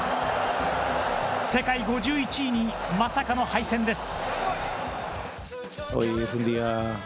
世界５１位にまさかの敗戦です。